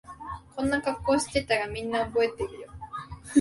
こんな格好してたらみんな覚えてるよ